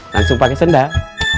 langsung pakai sendal